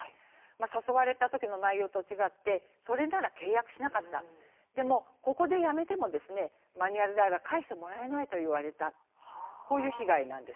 誘われた時の内容とは違ってそれなら契約しなかったでも、ここでやめてもマニュアル代は返してもらえないと言われたこういう被害です。